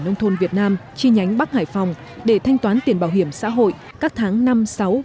nông thôn việt nam chi nhánh bắc hải phòng để thanh toán tiền bảo hiểm xã hội các tháng năm sáu bảy năm hai nghìn một mươi chín